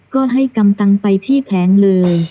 ก็ให้กำตังไปที่แผงเลย